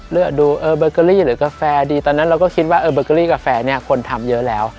เลือกดูเออเบอร์เกอรี่หรือกาแฟดีตอนนั้นเราก็คิดว่าเออเบอร์เกอรี่กาแฟเนี่ยคนทำเยอะแล้ว